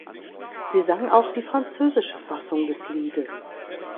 Sie sang auch die französische Fassung des Liedes.